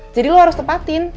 jadi lo harus tepatin